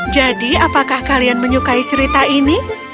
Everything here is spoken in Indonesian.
jadi apakah kalian menyukai cerita ini